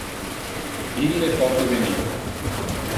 Ille pote venir.